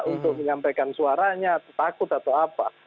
untuk menyampaikan suaranya takut atau apa